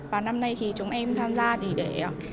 và năm nay thì chúng em tham gia thì để